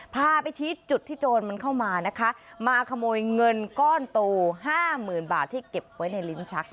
พาไปชี้จุดที่โจรมันเข้ามานะคะมาขโมยเงินก้อนโต๕๐๐๐บาทที่เก็บไว้ในลิ้นชัก